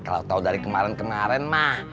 kalau tau dari kemarin kemarin mak